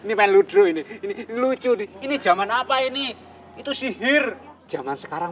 ini lucu ini jaman apa ini itu sihir jaman sekarang